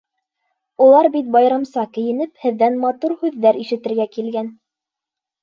Улар бит, байрамса кейенеп, һеҙҙән матур һүҙҙәр ишетергә килгән.